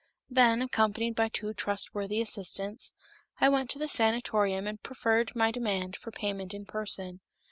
Then, accompanied by two trustworthy assistants, I went to the sanatorium and preferred my demand for payment in person.